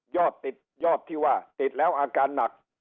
ติดยอดที่ว่าติดแล้วอาการหนัก